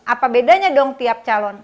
apa bedanya setiap calon